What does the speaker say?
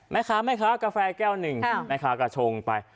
แม่ค้าแม่ค้ากาแฟแก้วหนึ่งแม่ค้ากระชงไป